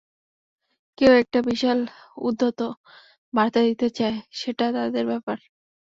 কেউ একটা বিশাল উদ্ধত বার্তা দিতে চায়, সেটা তাদের ব্যাপার।